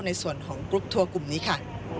ในส่วนของกรุ๊ปทัวร์กลุ่มนี้ค่ะ